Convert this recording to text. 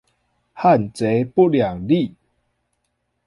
漢賊不兩立